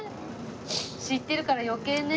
知ってるから余計ね。